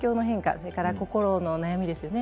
それから心の悩みですよね。